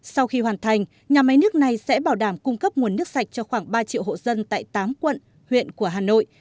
sau khi hoàn thành nhà máy nước này sẽ bảo đảm cung cấp nguồn nước sạch cho khoảng ba triệu hộ dân tại tám quận huyện của hà nội